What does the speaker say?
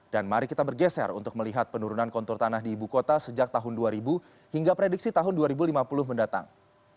mari kita bergeser untuk melihat penurunan kontur tanah di ibu kota sejak tahun dua ribu hingga prediksi tahun dua ribu lima puluh mendatang